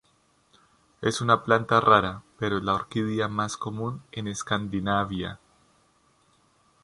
Es una planta rara, pero es la orquídea más común en Escandinavia.